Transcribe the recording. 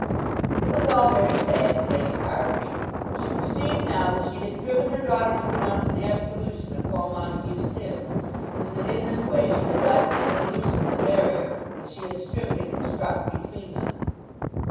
It was all very sad to Lady Carbury. She perceived now that she had driven her daughter to pronounce an absolution of Paul Montague's sins, and that in this way she had lessened and loosened the barrier which she had striven to construct between them.